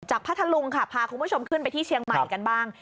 พัทธลุงค่ะพาคุณผู้ชมขึ้นไปที่เชียงใหม่กันบ้าง